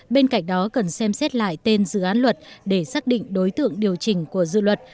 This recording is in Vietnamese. bên cạnh đó cần xem xét lại tên dự án luật để xác định đối tượng điều chỉnh của dự luật